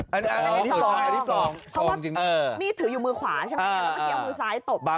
เพราะว่ามีดถืออยู่มือขวา